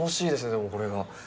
でもこれが。